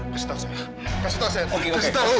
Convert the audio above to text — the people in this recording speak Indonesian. kasih tahu saya kasih tahu saya kasih tahu